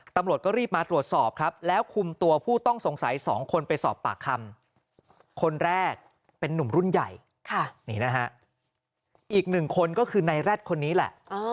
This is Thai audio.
ตำรวจก็รีบมาตรวจสอบครับแล้วคุมตัวผู้ต้องสงสัย๒คนไปสอบปากคำคนแรกเป็นนุ่มรุ่นใหญ่นี่นะฮะอีกหนึ่งคนก็คือในแร็ดคนนี้แหละ